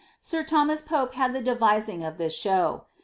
Sir Thomas Pope had the devising of this show.